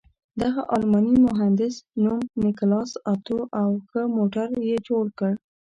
د دغه الماني مهندس نوم نیکلاس اتو و او ښه موټر یې جوړ کړ.